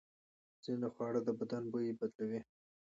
ځینې خواړه د بدن بوی بدلوي.